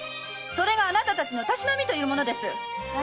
それがあなたたちのたしなみというものです。